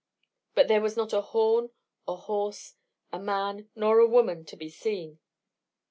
But there was not a horn, a horse, a man, nor a woman to be seen.